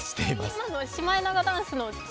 今のはシマエナガダンスの？